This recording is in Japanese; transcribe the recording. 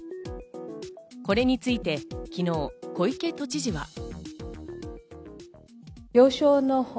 これについて昨日、小池都知事は。